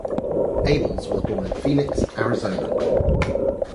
Abels was born in Phoenix, Arizona.